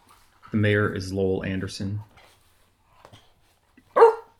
The mayor is Lowell Anderson.